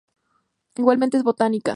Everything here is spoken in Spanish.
Igualmente en botánica.